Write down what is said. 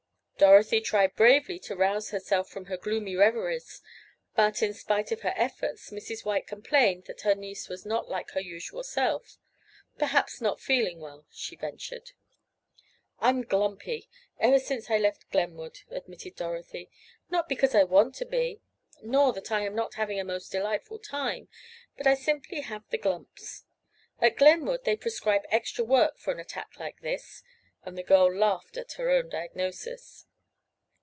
Dorothy tried bravely to rouse herself from her gloomy reveries but, in spite of her efforts, Mrs. White complained that her niece was not like her usual self—"Perhaps not feeling well," she ventured. "I'm 'glumpy' ever since I left Glenwood," admitted Dorothy. "Not because I want to be, nor that I am not having a most delightful time, but I simply have the 'glumps.' At Glenwood they prescribe extra work for an attack like this," and the girl laughed at her own diagnosis.